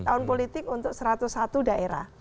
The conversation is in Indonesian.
tahun politik untuk satu ratus satu daerah